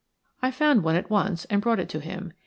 I found one at once and brought it to him.